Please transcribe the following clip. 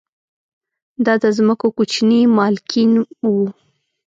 دا د ځمکو کوچني مالکین وو